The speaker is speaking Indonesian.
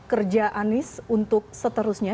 kerja anies untuk seterusnya